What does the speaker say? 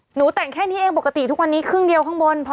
หนูแต่งแค่นี้เองปกติทุกวันนี้ครึ่งเดียวข้างบน